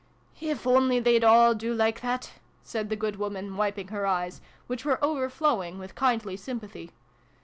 " If only they'd all do like that!" said the good woman, wiping her eyes, which were over flowing with kindly sympathy.